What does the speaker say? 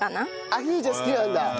アヒージョ好きなんだ。